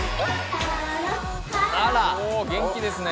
あら元気ですね。